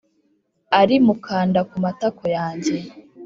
ari mukanda kumatako yanjye,